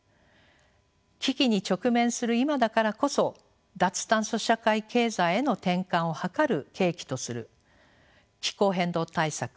危機に直面する今だからこそ脱炭素社会経済への転換を図る契機とする気候変動対策を促進をする政策が必要です。